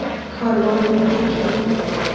کاروان نږدې کېږي.